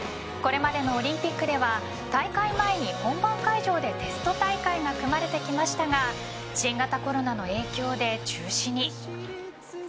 これまでのオリンピックでは大会前に本番会場でテスト大会が組まれてきましたが新型コロナの影響で中止に。